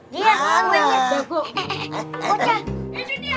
dia bangun ya